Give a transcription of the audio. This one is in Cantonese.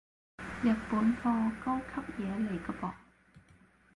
日本貨，高級嘢嚟個噃